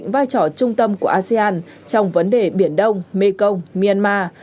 bỏ trung tâm của asean trong vấn đề biển đông mekong myanmar